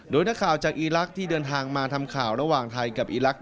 โดยนักข่าวจากอีลักษณ์ที่เดินทางมาทำข่าวระหว่างไทยกับอีลักษ